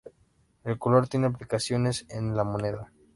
El color tiene aplicaciones en la moda.